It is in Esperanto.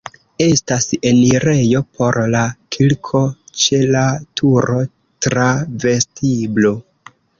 Estas enirejo por la kirko ĉe la turo tra vestiblo.